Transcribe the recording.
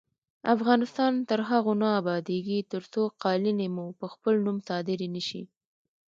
افغانستان تر هغو نه ابادیږي، ترڅو قالینې مو په خپل نوم صادرې نشي.